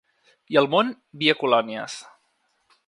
I al món, via colònies.